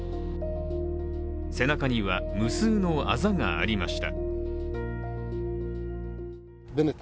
背中には無数のあざがありました。